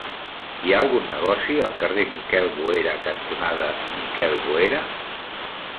Hi ha algun negoci al carrer Miquel Boera cantonada Miquel Boera?